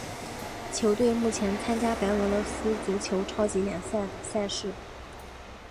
球队目前参加白俄罗斯足球超级联赛的赛事。